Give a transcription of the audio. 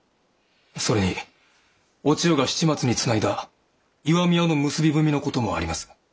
それにお千代が七松につないだ石見屋の結び文の事もあります。